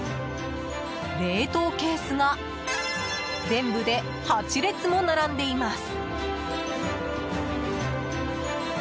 冷凍ケースが全部で８列も並んでいます。